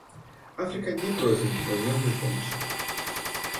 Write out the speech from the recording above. Африка не просит безвозмездной помощи.